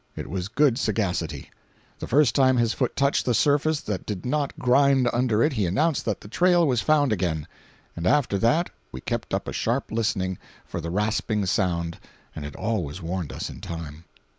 It was good sagacity. The first time his foot touched a surface that did not grind under it he announced that the trail was found again; and after that we kept up a sharp listening for the rasping sound and it always warned us in time.